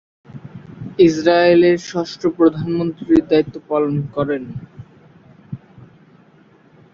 ইসরায়েলের ষষ্ঠ প্রধানমন্ত্রীর দায়িত্ব পালন করেন।